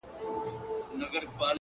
د غلا په جرم به پاچاصاب محترم نیسې.!